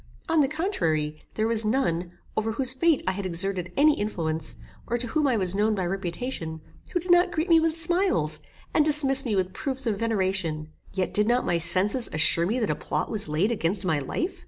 On the contrary, there was none, over whose fate I had exerted any influence, or to whom I was known by reputation, who did not greet me with smiles, and dismiss me with proofs of veneration; yet did not my senses assure me that a plot was laid against my life?